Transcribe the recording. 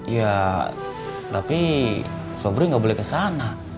ya tapi sobri nggak boleh kesana